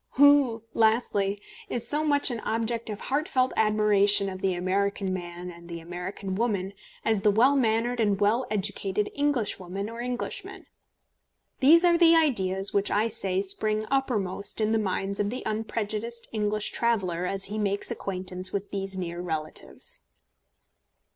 Who, lastly, is so much an object of heart felt admiration of the American man and the American woman as the well mannered and well educated Englishwoman or Englishman? These are the ideas which I say spring uppermost in the minds of the unprejudiced English traveller as he makes acquaintance with these near relatives.